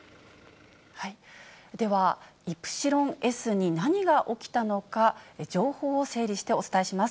では、イプシロンＳに何が起きたのか、情報を整理してお伝えします。